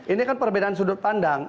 ini kan perbedaan sudut pandang